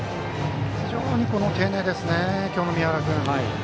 非常に丁寧ですね今日の宮原君。